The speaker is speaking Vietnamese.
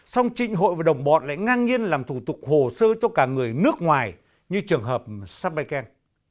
song trịnh hội và đồng bọn lại ngang nhiên làm thủ tục hồ sơ cho cả người nước ngoài như trường hợp supbakhen